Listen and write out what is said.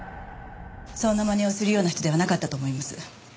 そんなまねをするような人ではなかったと思います。